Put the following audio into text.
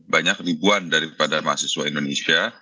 banyak ribuan daripada mahasiswa indonesia